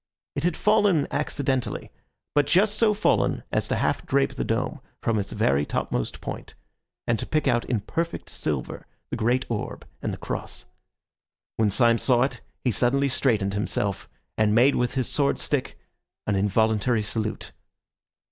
It had fallen accidentally, but just so fallen as to half drape the dome from its very topmost point, and to pick out in perfect silver the great orb and the cross. When Syme saw it he suddenly straightened himself, and made with his sword stick an involuntary salute.